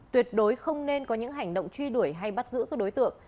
tuyệt đối không nên có những hành động truy đuổi hay bắt giữ các đối tượng